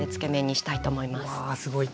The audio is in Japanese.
わあすごい。